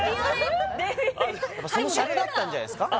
やっぱそのシャレだったんじゃないですか？